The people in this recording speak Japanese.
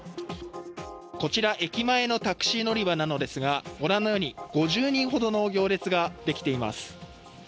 こちら、駅前のタクシー乗り場なのですが、ご覧のように５０人ほどの行列ができています。